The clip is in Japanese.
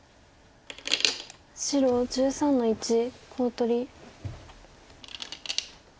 白１３の一コウ取り。